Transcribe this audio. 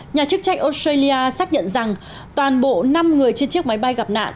nhà chức trách australia xác nhận rằng toàn bộ năm người trên chiếc máy bay gặp nạn